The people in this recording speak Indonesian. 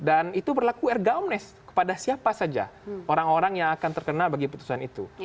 dan itu berlaku ergaumnes kepada siapa saja orang orang yang akan terkenal bagi putusan itu